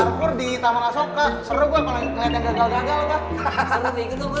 parkur di taman asoka seru gue kalo liat yang gagal gagal lo